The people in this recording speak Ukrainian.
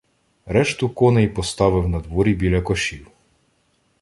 Решту коней поставили надворі біля кошів.